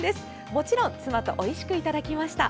もちろん妻とおいしくいただきました。